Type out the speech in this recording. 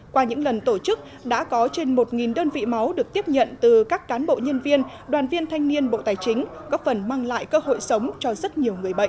qua những lần tổ chức đã có trên một đơn vị máu được tiếp nhận từ các cán bộ nhân viên đoàn viên thanh niên bộ tài chính góp phần mang lại cơ hội sống cho rất nhiều người bệnh